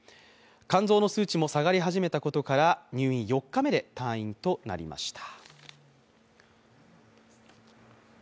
肝臓の数値も下がり始めたことから入院４日目で退院となりました。